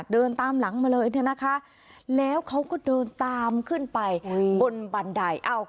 เดินตามหลังมาเลยเนี่ยนะคะแล้วเขาก็เดินตามขึ้นไปบนบันได